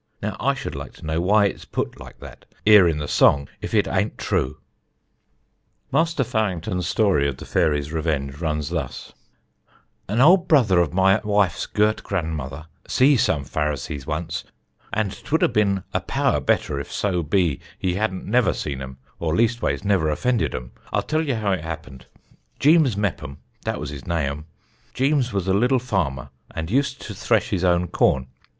Now I should like to know why it's put like that 'ere in the song, if it a'nt true." [Sidenote: MAS' MEPPOM'S ADVENTURE] Master Fowington's story of the fairy's revenge runs thus: "An ol' brother of my wife's gurt gran'mother see some Pharisees once, and 'twould a been a power better if so be he hadn't never seen 'em, or leastways never offended 'em. I'll tell ye how it happened. Jeems Meppom dat was his naüm Jeems was a liddle farmer, and used to thresh his own corn.